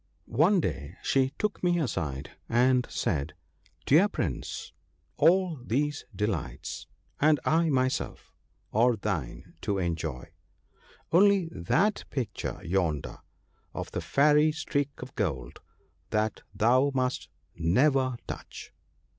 One day she took me aside, and said, ' Dear Prince ! all these delights, and I myself, are thine to enjoy ; only that picture yonder, of the Fairy Streak o' Gold, that thou must never touch